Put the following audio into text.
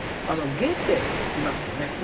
あのゲーテいますよね。